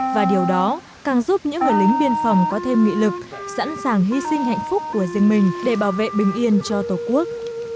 và điều đó càng giúp những người lính biên phòng có thêm nghị lực sẵn sàng hy sinh hạnh phúc của riêng mình để bảo vệ bình yên cho tổ quốc